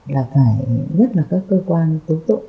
là phải nhất là các cơ quan tố tộ